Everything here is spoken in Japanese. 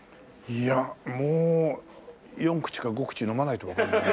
いやもう４口か５口飲まないとわかんない。